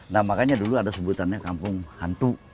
nah makanya dulu ada sebutannya kampung hantu